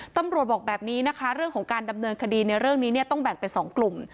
ตำรวจบอกแบบนี้นะคะเรื่องของการดำเนินคดีในเรื่องนี้เนี่ยต้องแบ่งเป็น๒กลุ่ม